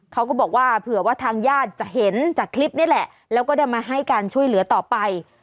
เขาก็บอกว่าเผื่อว่าทางญาติจะเห็นจากคลิปนี่แหละแล้วก็ได้มาให้การช่วยเหลือต่อไป